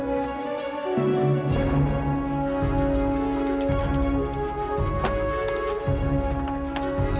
ya aku mau